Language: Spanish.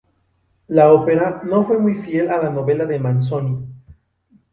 La ópera no fue muy fiel a la novela de Manzoni.